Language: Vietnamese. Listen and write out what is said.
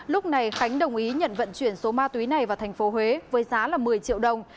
lúc này khánh đồng ý nhận vận chuyển số ma túy này vào thành phố huế với giá một mươi triệu đồng